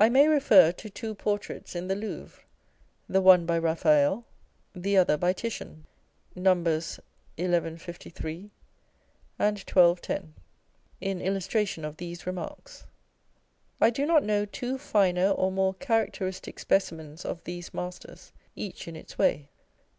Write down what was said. I may refer to two portraits in the Louvre, the one by Eaphael, the other by Titian, (Nos. 1153 and 1210,) in illustration of these remarks. I do not know two finer or more characteristic specimens of these masters, each in its way.